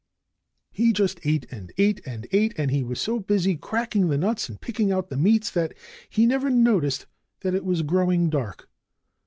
He just ate and ate and ate; and he was so busy cracking the nuts and picking out the meats that he never noticed that it was growing dark.